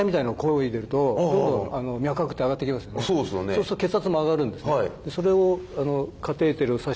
そうすると血圧も上がるんですね。